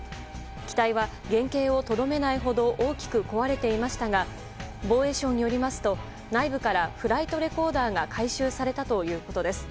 機体は原形をとどめないほど大きく壊れていましたが防衛省によりますと、内部からフライトレコーダーが回収されたということです。